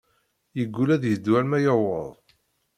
Yegull ad yeddu alma yuweḍ.